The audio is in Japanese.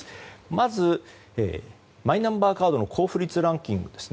まず、マイナンバーカードの交付率ランキング